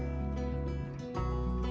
terima kasih tuhan